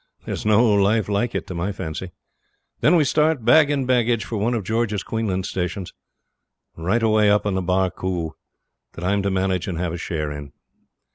There's no life like it, to my fancy. Then we start, bag and baggage, for one of George's Queensland stations, right away up on the Barcoo, that I'm to manage and have a share in.